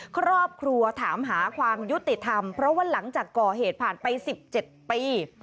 ครอบครัวถามหาความยุติธรรมเพราะว่าหลังจากก่อเหตุผ่านไป๑๗ปี